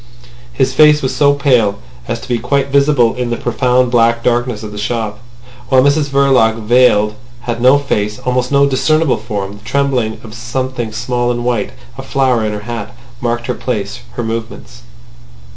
His face was so pale as to be quite visible in the profound black darkness of the shop; while Mrs Verloc, veiled, had no face, almost no discernible form. The trembling of something small and white, a flower in her hat, marked her place, her movements.